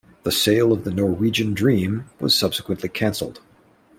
The sale of the "Norwegian Dream" was subsequently canceled.